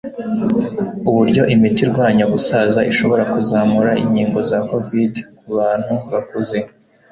Uburyo imiti irwanya gusaza ishobora kuzamura inkingo za covid kubantu bakuze